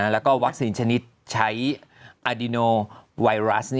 แล้วก็วัคซีนชนิดใช้อาดิโนไวรัส